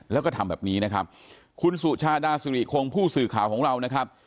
แล้วก็ทำแบบนี้นะครับคุณสุชาดาสุริคงผู้สื่อข่าวของเรานะครับ